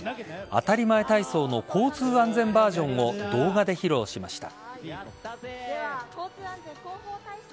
あたりまえ体操の交通安全バージョンを動画で披露しました。